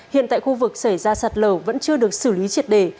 hiện tại khu vực xảy ra sạt lở vẫn chưa được xử lý triệt đề